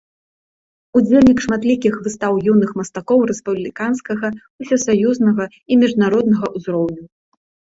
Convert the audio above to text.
Удзельнік шматлікіх выстаў юных мастакоў рэспубліканскага, усесаюзнага і міжнароднага ўзроўню.